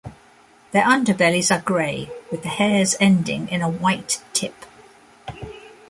Their underbellies are grey, with the hairs ending in a white tip.